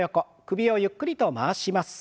首をゆっくりと回します。